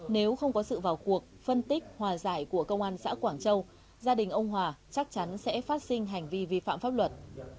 nếu không có sự vào cuộc phân tích hòa giải của công an xã quảng châu gia đình ông hòa chắc chắn sẽ phát sinh hành vi vi phạm pháp luật